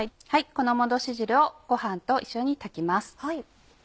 この戻し汁をご飯と一緒に炊きます。